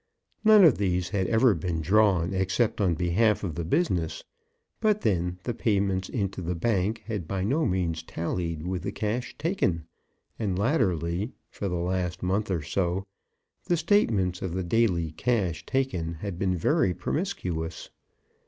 None of these had ever been drawn except on behalf of the business; but then the payments into the bank had by no means tallied with the cash taken; and latterly, for the last month or so, the statements of the daily cash taken had been very promiscuous.